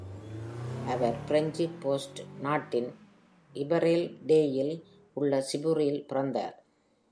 அவர் French Basque நாட்டின் இபரால்டேயில் உள்ள சிபூரில் பிறந்தார்.